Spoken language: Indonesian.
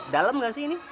dalem gak sih ini